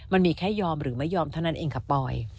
มันมีแค่ยอมหรือไม่ยอมเท่านั้นเองค่ะปอย